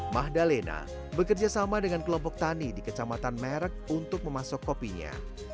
mahdalena bekerja sama dengan kelompok tani di kecamatan merek untuk memasuk kopinya